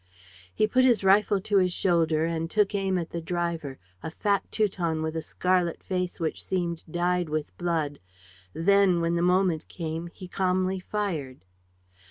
He put his rifle to his shoulder and took aim at the driver, a fat Teuton with a scarlet face that seemed dyed with blood. Then, when the moment came, he calmly fired.